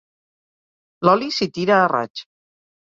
L'oli s'hi tira a raig.